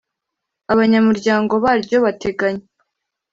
abanyamuryango baryo bateganya